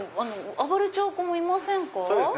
暴れちゃう子もいませんか？